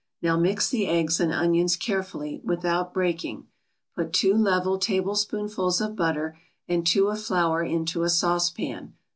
Now mix the eggs and onions carefully, without breaking. Put two level tablespoonfuls of butter and two of flour into a saucepan.